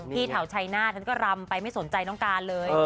แถวชัยหน้าฉันก็รำไปไม่สนใจน้องการเลย